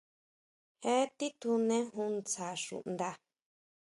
Je titjunejun ntsja xuʼnda.